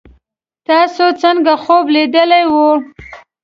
تاسو څنګه خوب لیدلی وو